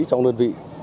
trong đơn vị